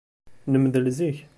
Nemdel zik.